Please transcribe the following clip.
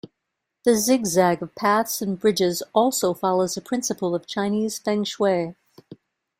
The zig-zag of paths and bridges also follows a principle of Chinese Feng Shui.